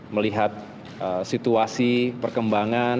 melihat situasi perkembangan